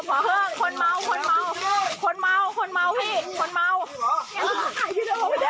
พอเพิ่งคนเมาคนเมาคนเมาคนเมาคนเมาคนเมาพี่คนเมา